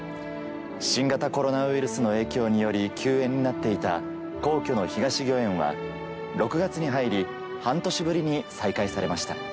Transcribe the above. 新型コロナウイルスの影響により休園になっていた皇居の東御苑は６月に入り半年ぶりに再開されました。